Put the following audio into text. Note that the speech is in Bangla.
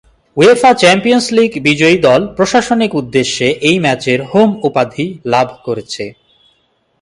উয়েফা চ্যাম্পিয়নস লীগ বিজয়ী দল প্রশাসনিক উদ্দেশ্যে এই ম্যাচের "হোম" উপাধি লাভ করেছে।